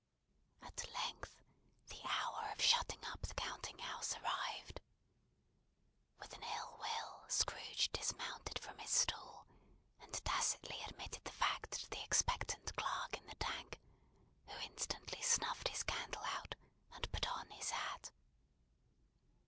At length the hour of shutting up the counting house arrived. With an ill will Scrooge dismounted from his stool, and tacitly admitted the fact to the expectant clerk in the Tank, who instantly snuffed his candle out, and put on his hat.